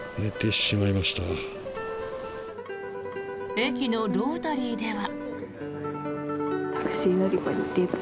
駅のロータリーでは。